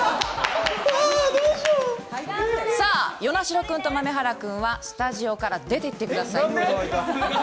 さあ、與那城君と豆原君はスタジオから出てってください。